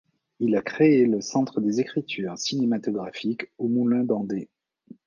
Il a créé le Centre des écritures cinématographiques au Moulin d'Andé.